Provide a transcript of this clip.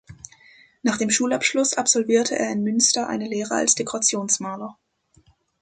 Nach dem Schulabschluss absolvierte er in Münster eine Lehre als Dekorationsmaler.